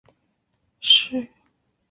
朗雅克人口变化图示